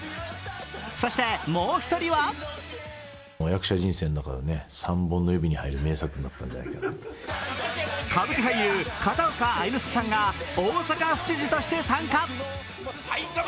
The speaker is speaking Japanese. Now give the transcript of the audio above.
そして、もう１人は歌舞伎俳優・片岡愛之助さんが大阪府知事として参加。